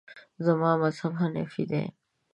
زما مذهب حنیفي دی.